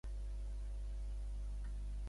És la darrera òpera de Ponchielli.